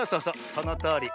そのとおり。